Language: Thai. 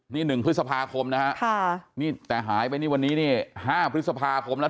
นี่๑พฤษภาคมนะครับแต่หายไปวันนี้๕พฤษภาคมแล้ว